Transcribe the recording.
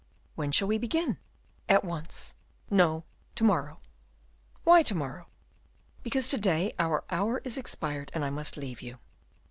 "When shall we begin?" "At once." "No, to morrow." "Why to morrow?" "Because to day our hour is expired, and I must leave you."